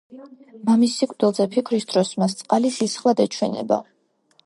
მამის სიკვდილზე ფიქრის დროს მას წყალი სისხლად ეჩვენება.